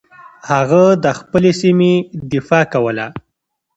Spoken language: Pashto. هغه د خپلې سیمې دفاع کوله.